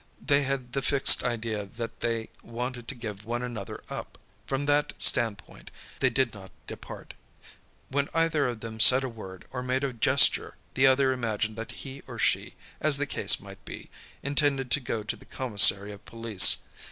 They had the fixed idea that they wanted to give one another up. From that standpoint they did not depart. When either of them said a word, or made a gesture, the other imagined that he or she, as the case might be, intended to go to the commissary of police.